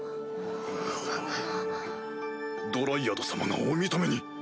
ドライアド様がお認めに。